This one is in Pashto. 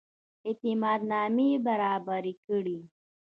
اعتماد نامې برابري کړي.